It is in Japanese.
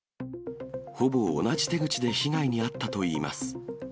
ほぼ同じ手口で被害に遭ったといいます。